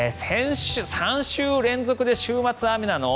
３週連続で週末雨なの？